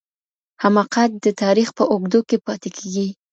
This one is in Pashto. حماقت د تاریخ په اوږدو کي پاتې کیږي.